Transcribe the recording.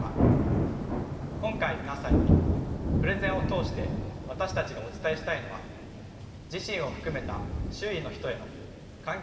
今回皆さんにプレゼンを通して私たちがお伝えしたいのは自身を含めた周囲の人への環境に対する啓発の重要性です。